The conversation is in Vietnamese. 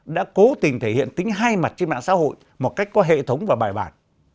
đã cố tình thể hiện tính hai mặt trên mạng xã hội một cách có hệ thống và bài bản